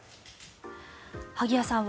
萩谷さん